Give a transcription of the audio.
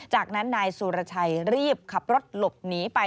จากนั้นนายสุรชัยรีบขับรถหลบหนีไป